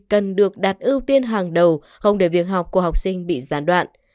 cần được đặt ưu tiên hàng đầu không để việc học của học sinh bị gián đoạn